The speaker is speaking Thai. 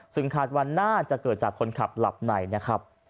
ซึ่งคาดว่าน่าจะเกิดจากคนขับหลับในนะครับ